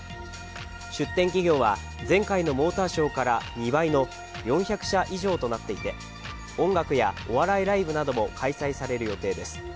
出展企業は前回のモーターショーから２倍の４００社以上となっていて音楽やお笑いライブなども開催される予定です。